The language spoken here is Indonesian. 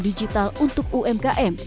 digital untuk umkm